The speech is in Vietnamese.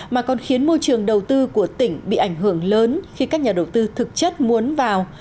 mà còn khiến môi trường đầu tư của tỉnh bị ảnh hưởng lớn khi các nhà đầu tư thực chất muốn vào